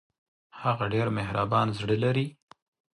هغه ډېر مهربان زړه لري